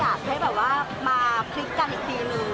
อยากให้มาความสดใจกันอีกที